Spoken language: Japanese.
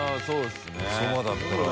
そばだったら。